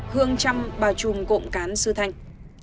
hương trâm bà trùm cộng cán sư thanh